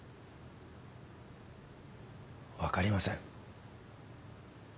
分かりません。